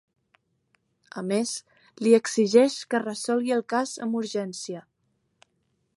A més, li exigeix que resolgui el cas amb urgència.